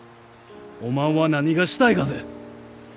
おまんは何がしたいがぜ？